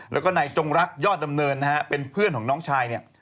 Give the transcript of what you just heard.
แล้วก็นายจงรักยอดดำเนินนะฮะเป็นเพื่อนของน้องชายเนี่ย